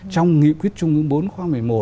trong nghị quyết chung ứng bốn khoang một mươi một